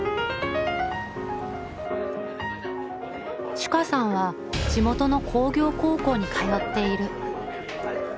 珠夏さんは地元の工業高校に通っている。